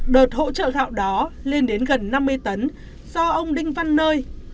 đợt hỗ trợ gạo đó lên đến gần năm mươi tấn do ông đinh văn nơi